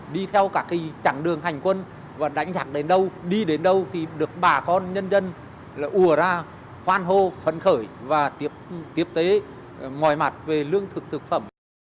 đi theo cả cái chẳng đường hành quân và đánh nhạc đến đâu đi đến đâu thì được bà con nhân dân là ùa ra hoan hô phấn khởi và tiếp tế ngoài mặt về lương thực thực phẩm